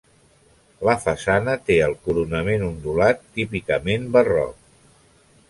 La façana té el coronament ondulat típicament barroc.